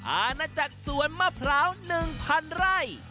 อาณาจักรสวนมะพร้าว๑๐๐๐ไร่